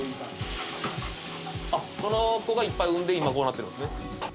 その子がいっぱい産んで今こうなってるんですね